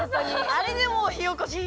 あれでもうひおこしひ